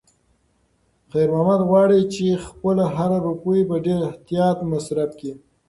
خیر محمد غواړي چې خپله هره روپۍ په ډېر احتیاط مصرف کړي.